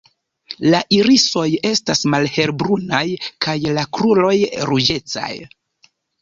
La irisoj estas malhelbrunaj kaj la kruroj ruĝecaj.